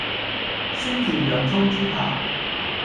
酸甜洋蔥豬排